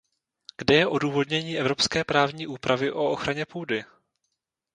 Kde je odůvodnění evropské právní úpravy o ochraně půdy?